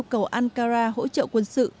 tổ ankara hỗ trợ quân sự